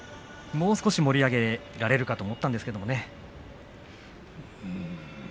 もう少し盛り上げられるかと思ったんですけどね。